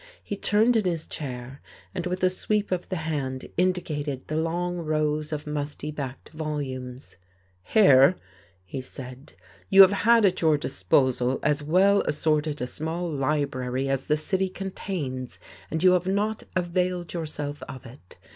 He turned in his chair, and with a sweep of the hand indicated the long rows of musty backed volumes. "Here," he said, "you have had at your disposal as well assorted a small library as the city contains, and you have not availed yourself of it.